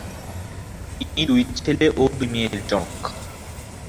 তিনি দুই ছেলে ও দুই মেয়ের জনক।